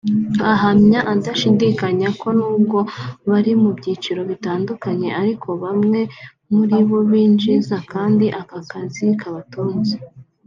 Ahamya adashidikanya ko nubwo bari mu byiciro bitandukanye ariko bamwe muri bo binjiza kandi aka kazi kabatunze